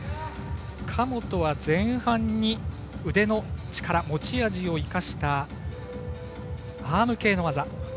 神本は前半に腕の力持ち味を生かしたアーム系の技。